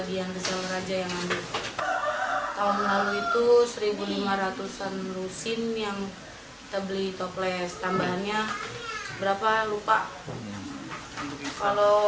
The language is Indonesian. kalau kesempatan saat ini ya rp tiga